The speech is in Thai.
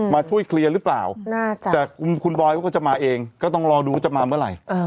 มาช่วยเคลียร์รึเปล่าแต่คุณบอยเขาจะมาเองก็ต้องรอดูจะมาไหม